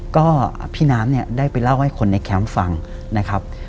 ก็พี่น้ำเนี่ยได้ไปเล่าให้คนในแคมป์ฟังนะครับ